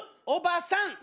「おばさん」。